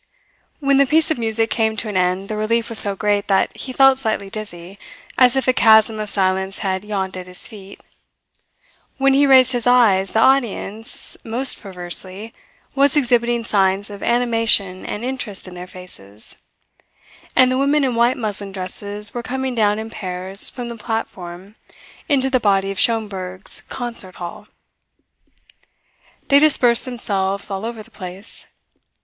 When the piece of music came to an end the relief was so great that he felt slightly dizzy, as if a chasm of silence had yawned at his feet. When he raised his eyes, the audience, most perversely, was exhibiting signs of animation and interest in their faces, and the women in white muslin dresses were coming down in pairs from the platform into the body of Schomberg's "concert hall." They dispersed themselves all over the place.